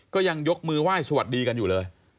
ก็ยังยกมือไหว้สวัสดีกันอยู่เลย